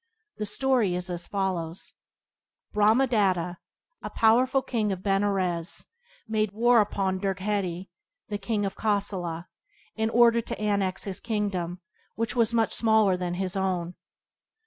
The story is as follows: — Brahmadatta, a powerful king of Benares, made war upon Dirgheti, the king of Kosala, in order to annex his kingdom, which was much smaller than his own.